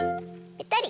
ぺたり。